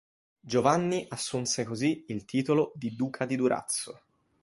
Giovanni assunse così il titolo di "Duca di Durazzo".